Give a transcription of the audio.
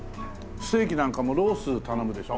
ステーキなんかもロース頼むでしょ？